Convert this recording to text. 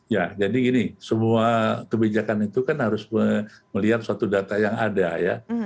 ya jadi gini semua kebijakan itu kan harus melihat suatu data yang ada ya